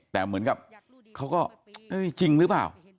แต่เหมือนกับเขาก็จริงหรือเปล่า